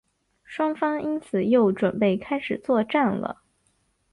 双方因此又准备开始作战了。